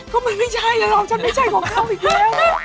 ก็มันไม่ใช่หรอกฉันไม่ใช่ของเขาอีกแล้วนะ